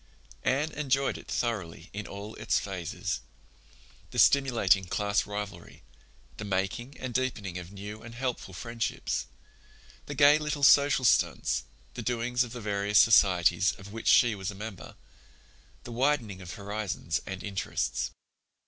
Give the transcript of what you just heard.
Anne enjoyed it thoroughly in all its phases—the stimulating class rivalry, the making and deepening of new and helpful friendships, the gay little social stunts, the doings of the various societies of which she was a member, the widening of horizons and interests.